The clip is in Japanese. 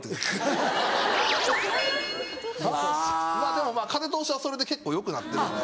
でも風通しはそれで結構良くなってるんで。